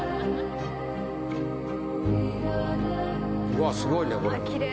うわすごいねこれ。